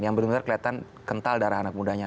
yang benar benar kelihatan kental darah anak mudanya